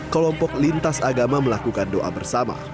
kelompok lintas agama melakukan doa bersama